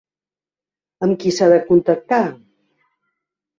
Amb qui s’ha de contactar?